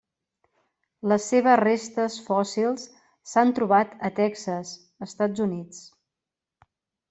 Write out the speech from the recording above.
Les seves restes fòssils s'han trobat a Texas, Estats Units.